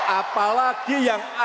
apalagi yang berbelit belit